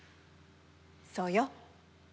そうよ。